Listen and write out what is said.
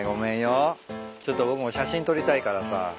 ちょっと僕も写真撮りたいからさ。